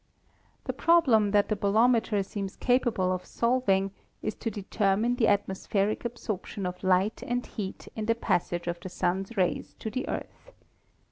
The problem that the bolometer seems capable of solving is to deter mine the atmospheric absorption of light and heat in the passage of the Sun's rays to the Earth.